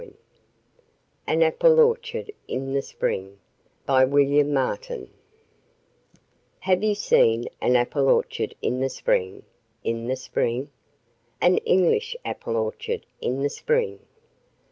KINGSLEY AN APPLE ORCHARD IN THE SPRING Have you seen an apple orchard in the spring? In the spring? An English apple orchard in the spring?